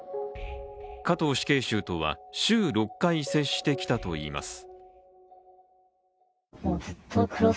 加藤死刑囚とは週６回接してきたといいます。